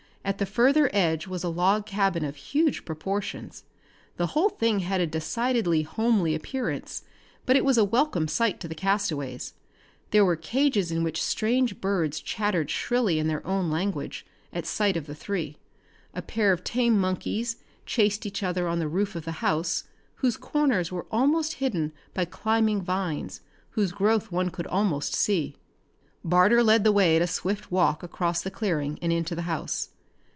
At the further edge was a log cabin of huge proportions. The whole thing had a decidedly homely appearance, but it was a welcome sight to the castaways. There were cages in which strange birds chattered shrilly in their own language at sight of the three. A pair of tame monkeys chased each other on the roof of the house, whose corners were almost hidden by climbing vines whose growth one could almost see. Barter led the way at a swift walk across the clearing and into the house.